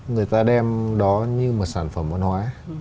người ta đem đó như một sản phẩm văn hóa